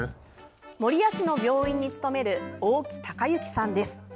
守谷市の病院に勤める大木貴行さんです。